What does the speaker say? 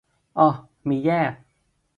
อ้อ มีแยก